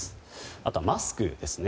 あとはマスクですね。